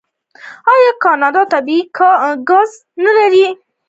آیا کاناډا طبیعي ګاز نلري؟